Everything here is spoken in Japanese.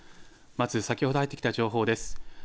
まず先ほど入ってきた情報です。